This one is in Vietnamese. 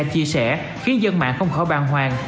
chia sẻ khiến dân mạng không khỏi bàn hoàng